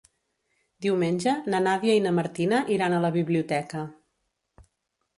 Diumenge na Nàdia i na Martina iran a la biblioteca.